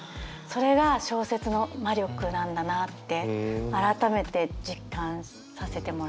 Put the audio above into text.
それが小説の魔力なんだなって改めて実感させてもらいました。